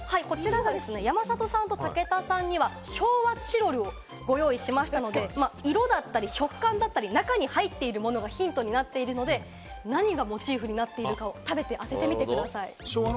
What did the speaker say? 山里さんと武田さんには昭和チロルをご用意しましたので、色だったり、食感だったり中に入っているものがヒントになりますので、食べて当ててみてください。